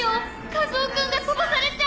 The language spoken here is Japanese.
カズオ君が飛ばされちゃう！